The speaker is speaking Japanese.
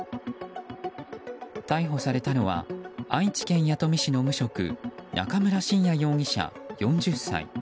逮捕されたのは愛知県弥富市の無職中村真也容疑者、４０歳。